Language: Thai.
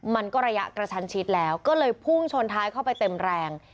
มันก็ระยะกระชันชิดแล้วก็เลยพุ่งชนท้ายเข้าไปเต็มแรง